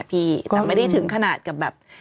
พี่แต่ไม่ได้ถึงขนาดกับแบบ